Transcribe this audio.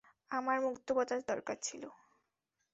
আমার মুক্ত বাতাস দরকার ছিল।